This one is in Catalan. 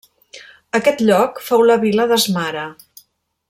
Aquest lloc fou la vila de Smara.